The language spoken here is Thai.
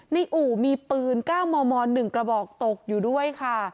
อู่มีปืน๙มม๑กระบอกตกอยู่ด้วยค่ะ